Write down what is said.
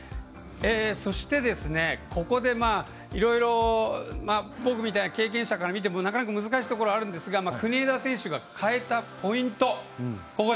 そして、ここでいろいろ僕みたいな経験者から見ても難しいところがあるんですが国枝選手が変えたポイント。